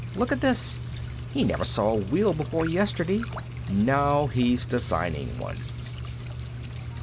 Look at this; he never saw a wheel before yesterday; now he's designing one."